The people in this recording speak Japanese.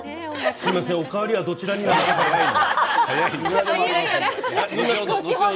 すみません、お代わりはどちらに？では後ほど。